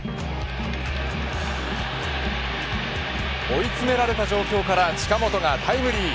追い詰められた状況から近本がタイムリー。